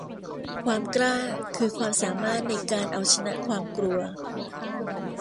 ความกล้าคือความสามารถในการเอาชนะความกลัว